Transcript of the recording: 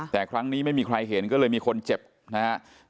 แต่ครั้งนี้ไม่มีใครเห็นก็เลยมีคนเจ็บนะครับ